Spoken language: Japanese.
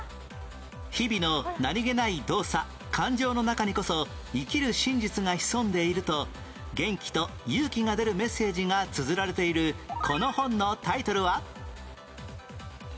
日々の何げない動作感情の中にこそ生きる真実が潜んでいると元気と勇気が出るメッセージがつづられているこの本のタイトルは？